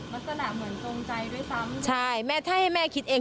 ลักษณะเหมือนตรงใจด้วยซ้ำใช่แม่ถ้าให้แม่คิดเอง